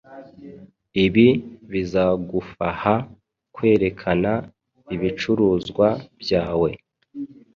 Ibi bizagufaha kwerekana ibicuruzwa byawe